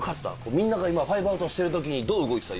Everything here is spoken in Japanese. みんなが今ファイブアウトをしてる時にどう動いてた？